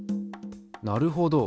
なるほど。